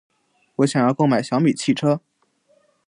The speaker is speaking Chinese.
我想要购买小米汽车。